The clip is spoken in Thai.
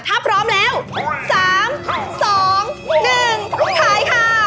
ถ้าพร้อมแล้ว๓๒๑ถ่ายค่ะ